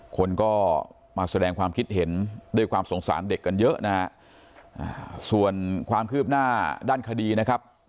คนก็มาแสดงความคิดเห็นด้วยความสงสารเด็กกันเยอะนะฮะส่วนความคืบหน้าด้านคดีนะครับ